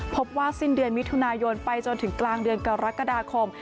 พบว่าสิ้นเดือนมิถุนายนไปจนถึงกลางเดือนกรกฎาคม